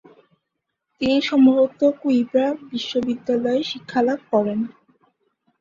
তিনি সম্ভবত কুইঁব্রা বিশ্ববিদ্যালয়ে শিক্ষালাভ করেন।